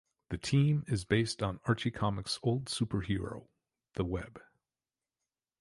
The team is based on Archie Comics old superhero, The Web.